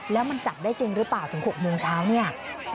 แล้วมันจับได้จริงหรือเปล่าถึง๖โมงเช้าเนี่ย